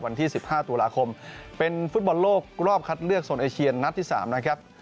วันที่๑๕ตุลาคมเป็นฟุตบอลโลกรอบคัดเลือกโซนเอเชียนนัดที่๓นะครับ